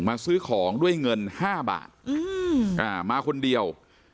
ซื้อของด้วยเงิน๕บาทมาคนเดียว